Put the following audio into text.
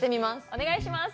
お願いします！